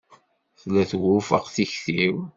Tella twufeq tikti-w.